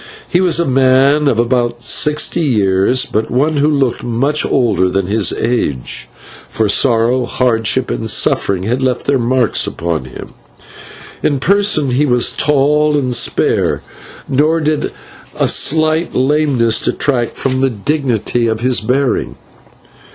He was a man of about sixty years, but one who looked much older than his age, for sorrow, hardship, and suffering had left their marks upon him. In person he was tall and spare, nor did a slight lameness detract from the dignity of his bearing.